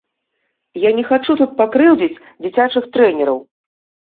Я не хачу тут пакрыўдзіць дзіцячых трэнераў.